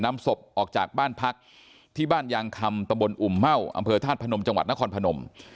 นำศพออกจากบ้านพักที่บ้านยางคำตะบนอุ่มเม่าอำเภอธาตุพนมจังหวัดนครพนม